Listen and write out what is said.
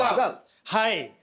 はい！